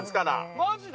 マジで！？